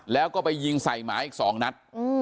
แล้วก็ไปยิงใส่หมาอีก๒นัด